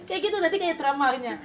kayak gitu kayak dramanya